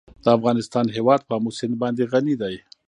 د افغانستان هیواد په آمو سیند باندې غني دی.